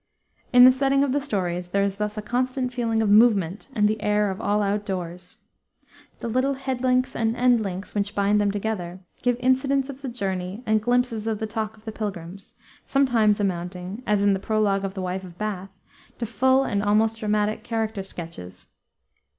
In the setting of the stories there is thus a constant feeling of movement and the air of all outdoors. The little "head links" and "end links" which bind them together, give incidents of the journey and glimpses of the talk of the pilgrims, sometimes amounting, as in the prologue of the Wife of Bath, to full and almost dramatic character sketches.